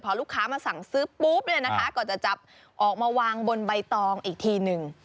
พอลูกค้ามาสั่งซื้อปุ๊บเนี่ยนะคะก็จะจับออกมาวางบนใบตองอีกทีหนึ่ง